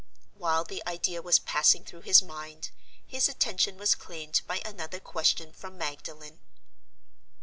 While the idea was passing through his mind, his attention was claimed by another question from Magdalen.